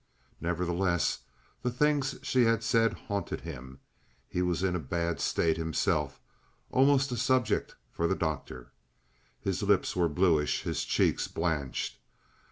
Nevertheless the things she had said haunted him. He was in a bad state himself—almost a subject for the doctor. His lips were bluish, his cheeks blanched.